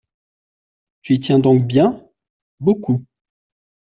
Tu y tiens donc bien ? Beaucoup.